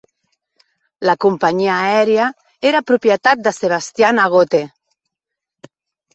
La companyia aèria era propietat de Sebastian Agote.